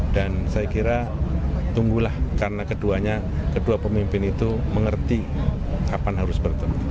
dan saya kira tunggulah karena kedua pemimpin itu mengerti kapan harus bertemu